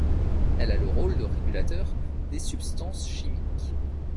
Elle a le rôle de régulateur des substances chimiques.